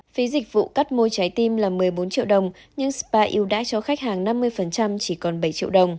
phí dịch vụ cắt môi trái tim là một mươi bốn triệu đồng nhưng spa ưu đãi cho khách hàng năm mươi chỉ còn bảy triệu đồng